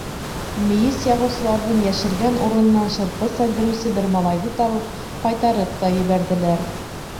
Мейес яғыусыларҙың йәшергән урынынан шырпы сәлдереүсе бер малайҙы табып, ҡайтарып та ебәрҙеләр.